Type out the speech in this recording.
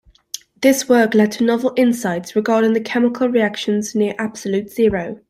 This work led to novel insights regarding the chemical reactions near absolute zero.